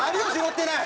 ッてない！